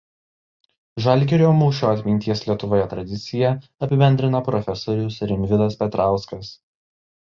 Žalgirio mūšio atminties Lietuvoje tradiciją apibendrina prof. Rimvydas Petrauskas.